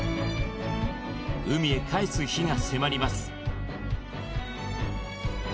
海へ帰す日が迫ります